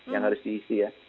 yang harus diisi ya